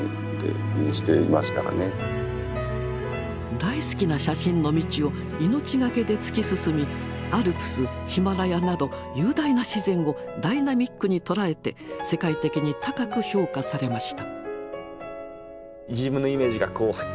大好きな写真の道を命懸けで突き進みアルプスヒマラヤなど雄大な自然をダイナミックに捉えて世界的に高く評価されました。